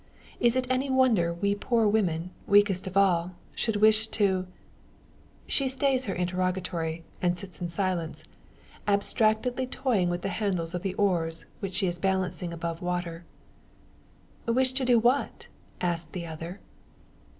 Is it any wonder we poor women, weakest of all, should wish to " She stays her interrogatory, and sits in silence, abstractedly toying with the handles of the oars, which she is balancing above water. "Wish to do what?" asked the other.